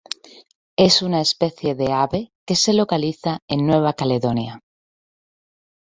Es una especie de ave que se localiza en Nueva Caledonia.